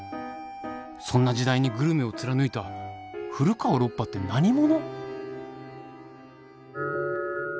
そんな時代にグルメを貫いた古川ロッパって何者？